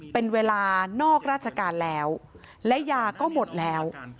เป็นเวลานอกราชการแล้วและยาก็หมดแล้ว